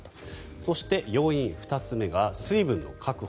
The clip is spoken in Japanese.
そして、要因２つ目が水分の確保。